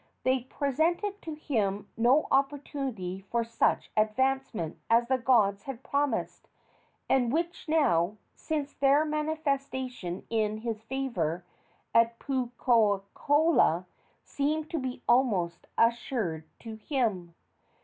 They presented to him no opportunity for such advancement as the gods had promised, and which now, since their manifestation in his favor at Puukohola, seemed to be almost assured to him.